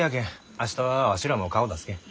明日はワシらも顔出すけん。